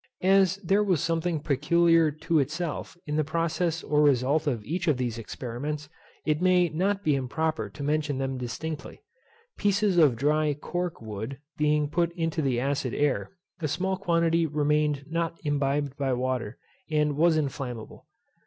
As there was something peculiar to itself in the process or result of each of these experiments, it may not be improper to mention them distinctly. Pieces of dry cork wood being put to the acid air, a small quantity remained not imbibed by water, and was inflammable.